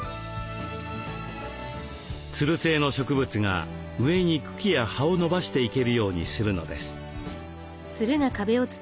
つる性の植物が上に茎や葉を伸ばしていけるようにするのです。